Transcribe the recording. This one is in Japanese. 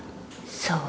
そう。